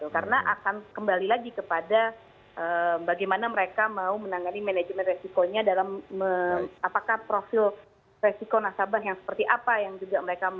karena akan kembali lagi kepada bagaimana mereka mau menangani manajemen resikonya dalam apakah profil resiko nasabah yang seperti apa yang juga mereka mau